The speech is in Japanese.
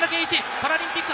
パラリンピック